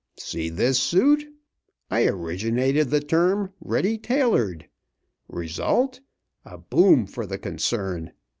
See this suit? I originated the term 'Ready tailored.' Result, a boom for the concern.